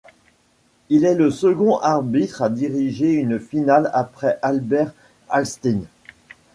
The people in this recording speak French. Il est le second arbitre à diriger une finale après Albert Alsteen.